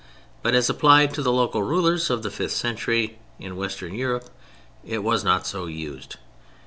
But as applied to the local rulers of the fifth century in Western Europe, it was not so used.